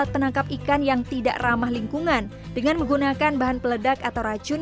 penangkap ikan yang tidak ramah lingkungan dengan menggunakan bahan peledak atau racun